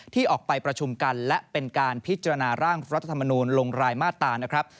ที่ออกไปประชุมกันและเป็นการพิจารณาร่างรัฐธรรมนูลลงรายมาตรานะครับ